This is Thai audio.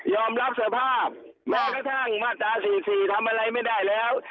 รับสภาพแม้กระทั่งมาตรา๔๔ทำอะไรไม่ได้แล้ว